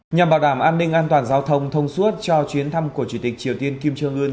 nhằm bảo đảm an ninh an toàn giao thông thông suốt cho chuyến thăm của chủ tịch triều tiên kim trương ươn